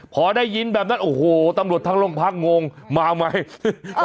พอได้ยินแบบนั้นโอ้โหตำรวจทั้งโรงพักงงมาไหม